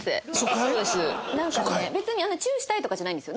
別にチューしたいとかじゃないんですよ。